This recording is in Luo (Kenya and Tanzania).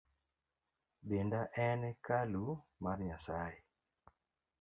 Denda en kalu mar nyasae.